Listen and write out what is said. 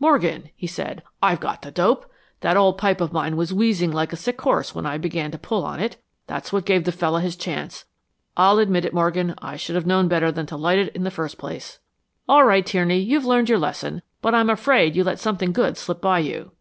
"Morgan," he said, "I've got the dope. That old pipe of mine was wheezing like a sick horse when I began to pull on it. That's what gave the fellow his chance. I'll admit it, Morgan I should have known better than to light it in the first place." "All right, Tierney, you've learned your lesson. But I'm afraid you let something good slip by you."